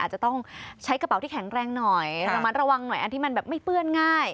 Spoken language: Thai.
อาจจะต้องใช้กระเป๋าที่แข็งแรงหน่อยระมัดระวังหน่อยอันที่มันแบบไม่เปื้อนง่าย